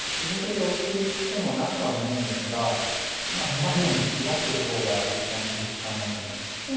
続けてオシていく手もなくはないんですが左辺ヒラく方が一般的かなと思います。